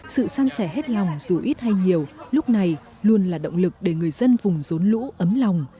sự sang sẻ hết lòng dù ít hay nhiều lúc này luôn là động lực để người dân vùng rốn lũ ấm lòng